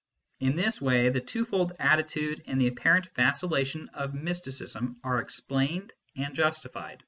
In this way the twofold attitude and the apparent vacillation of mysticism are explained and justified.